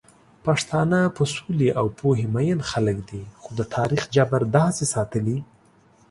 پښتانه په سولې او پوهې مئين خلک دي، خو د تاريخ جبر داسې ساتلي